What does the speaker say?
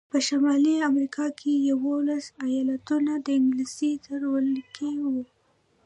په شمالي امریکا کې یوولس ایالتونه د انګلیس تر ولکې وو.